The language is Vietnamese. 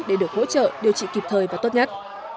để được hỗ trợ điều trị kịp thời và tốt nhất